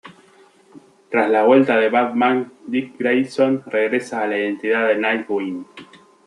Tras la vuelta de Batman, Dick Grayson regresa a la identidad de Nightwing.